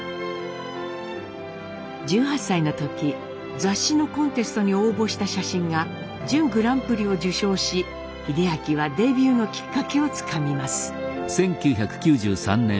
１８歳の時雑誌のコンテストに応募した写真が準グランプリを受賞し英明はデビューのきっかけをつかみます。